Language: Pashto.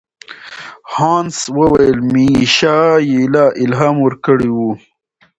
هانس وویل میشایلا الهام ورکړی و.